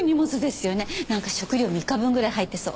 なんか食料３日分ぐらい入ってそう。